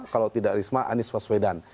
kalau tidak risma anies waswedan